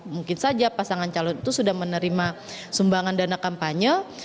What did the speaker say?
mungkin saja pasangan calon itu sudah menerima sumbangan dana kampanye